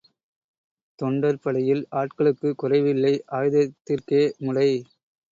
தொண்டர் படையில் ஆட்களுக்குக் குறைவில்லை ஆயுதத்திற்கே முடை!